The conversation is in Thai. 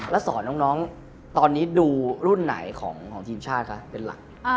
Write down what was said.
แล้วสอนน้องตอนนี้ดูรุ่นไหนของทีมชาติคะเป็นหลัก